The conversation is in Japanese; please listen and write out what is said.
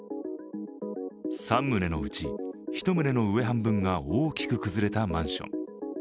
３棟のうち１棟の上半分が大きく崩れたマンション。